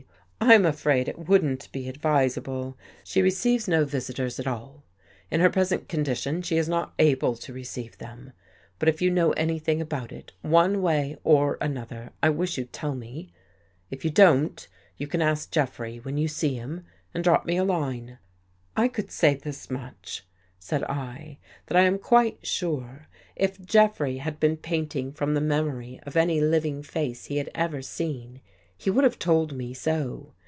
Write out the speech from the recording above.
" I'm afraid it wouldn't be advisable. She receives no visitors at all. In her present condition she is not able to re ceive them. But, if you know anything about it, one way or another, I wish you'd tell me. If you don't, you can ask Jeffrey, when you see him, and drop me a line." " I could say this much," said I, " that I am quite sure if Jeffrey had been painting from the memory of any living face he had ever seen, he would have told me so.